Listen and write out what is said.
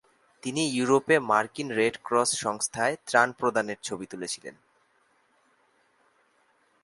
তিনি ইউরোপে মার্কিন রেড ক্রস সংস্থায় ত্রাণ প্রদানের ছবি তুলেছিলেন।